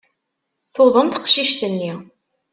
Tuḍen teqcict-nni.